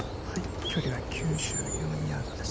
距離は９４ヤードです。